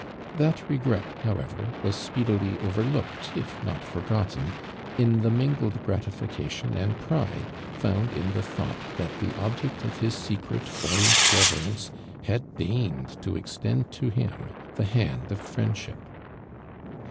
That regret, however, wtuispoedily over looked, if not forgotten, in the mingled gratifictition and pride found in the thought that tho object of his .secret boyish revorenco had deigned to extend to him the li.nid of friendship.